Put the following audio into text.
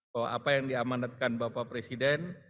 bahwa apa yang diamanatkan bapak presiden